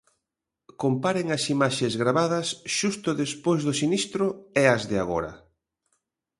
Comparen as imaxes gravadas xusto despois do sinistro e as de agora.